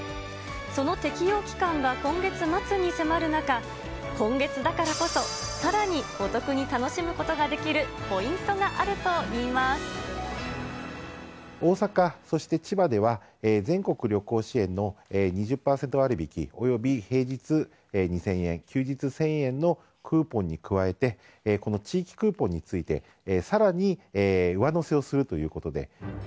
その適用期間が今月末に迫る中、今月だからこそさらにお得に楽しむことができるポイントがあると大阪、そして千葉では、全国旅行支援の２０％割引、および平日２０００円、休日１０００円のクーポンに加えて、この地域クーポンについてさらに上乗せをするということで。